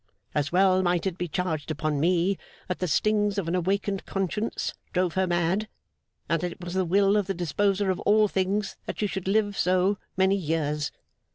As well might it be charged upon me, that the stings of an awakened conscience drove her mad, and that it was the will of the Disposer of all things that she should live so, many years.